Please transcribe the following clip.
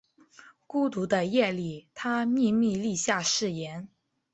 孤独的夜里他秘密立下誓言